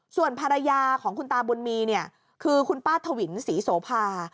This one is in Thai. ส่วนภรรยาของคุณตาบุญมีเนี่ยคือคุณป้าถวินศรีโสภา